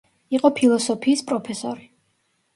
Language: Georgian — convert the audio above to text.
იყო ფილოსოფიის პროფესორი.